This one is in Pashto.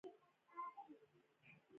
غواړې په ثبوت یې درته وښیم او باور دې راشي.